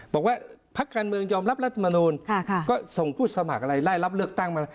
บอกว่าพักการเมืองยอมรับรัฐมนูลก็ส่งผู้สมัครอะไรไล่รับเลือกตั้งมา